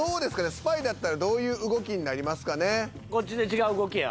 スパイだったらどういう動きになりますかね。